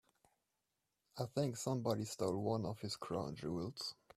I think somebody stole one of his crown jewels.